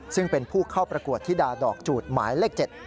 ซึ่งเป็นผู้เข้าประกวดธิดาดอกจูดหมายเลข๗